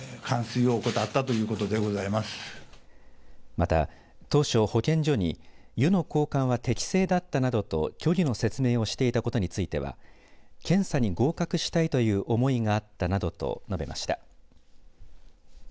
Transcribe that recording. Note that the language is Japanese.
また当初保健所に湯の交換は適正だったなどと虚偽の説明をしていたことについては検査に合格したいという思いがあったなどと述べました。